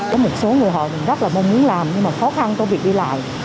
có một số người họ rất mong muốn làm nhưng khó khăn có việc đi lại